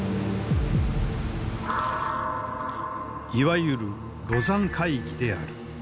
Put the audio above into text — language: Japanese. いわゆる廬山会議である。